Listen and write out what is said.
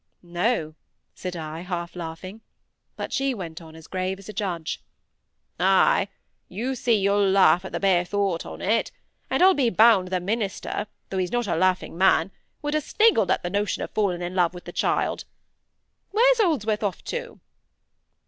"No!" said I, half laughing. But she went on as grave as a judge. "Ay! you see you'll laugh at the bare thought on it—and I'll be bound th' minister, though he's not a laughing man, would ha' sniggled at th' notion of falling in love wi' the child. Where's Holdsworth off to?"